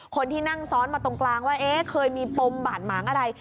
คนที่นั่งซ้อนมาตรงกลางว่าเคยมีปมบาดหมางอะไร